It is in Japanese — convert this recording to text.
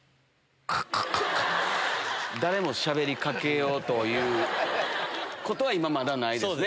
誰もしゃべり掛けようということは今まだないですね。